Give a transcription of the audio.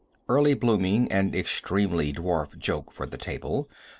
[Early blooming and extremely dwarf joke for the table.